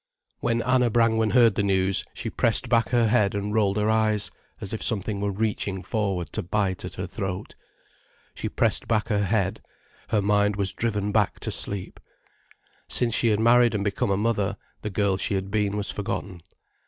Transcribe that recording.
When Anna Brangwen heard the news, she pressed back her head and rolled her eyes, as if something were reaching forward to bite at her throat. She pressed back her head, her mind was driven back to sleep. Since she had married and become a mother, the girl she had been was forgotten.